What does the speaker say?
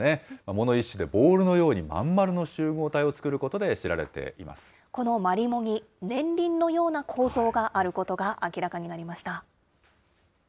藻の一種でボールのように真ん丸の集合体を作ることで知られていこのマリモに年輪のような構造があることが明らかになりました。